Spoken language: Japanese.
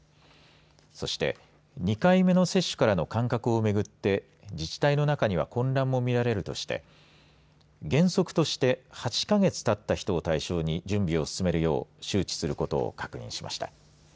そして２回目の接種からの間隔をめぐって自治体の中には混乱も見られるとして原則として８か月たった人を対象に準備を進めるよう周知することを確認しました。